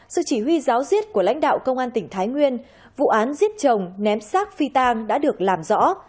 sự chỉ huy giáo diết của lãnh đạo công an tỉnh thái nguyên vụ án giết chồng ném sát phi tang đã được làm rõ